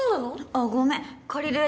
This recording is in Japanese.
あっごめんかりるえ